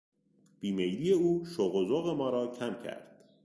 بیمیلی او شوق و ذوق ما را کم کرد.